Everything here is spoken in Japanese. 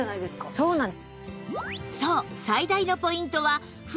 そうなんです。